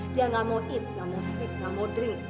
dia gak mau eat gak mau sleep gak mau drink